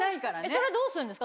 それどうするんですか？